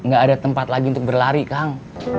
gak ada tempat lagi untuk berlari kang